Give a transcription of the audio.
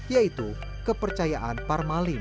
yaitu kepercayaan parmalim